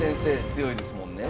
強いですもんね。